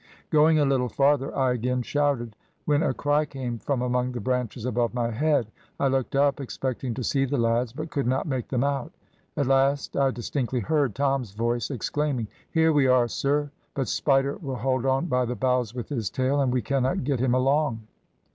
Going a little farther, I again shouted, when a cry came from among the branches above my head: I looked up, expecting to see the lads, but could not make them out. At last I distinctly heard Tom's voice, exclaiming, `Here we are, sir, but Spider will hold on by the boughs with his tail, and we cannot get him along.'